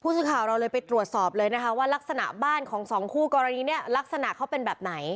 สื่อข่าวเราเลยไปตรวจสอบเลยนะคะว่ารักษณะบ้านของสองคู่กรณีเนี่ยลักษณะเขาเป็นแบบไหน